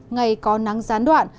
ngày có nắng gián đoạn